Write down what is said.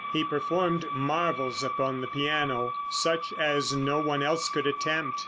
He performed marvels upon the piano, such as no one else could attempt.